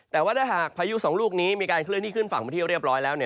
แต่ว่าถ้าหากพายุสองลูกนี้มีการเคลื่อนที่ขึ้นฝั่งไปที่เรียบร้อยแล้ว